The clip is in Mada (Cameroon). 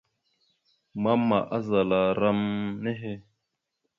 Mama azala ram nehe.